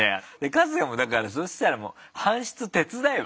春日もだからそしたらもう搬出手伝えば？